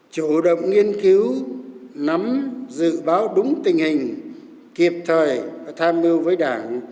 chủ động nghiên cứu nắm dự báo đúng tình hình kịp thời tham mưu với đảng